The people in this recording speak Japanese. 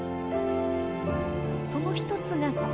その一つがこちら。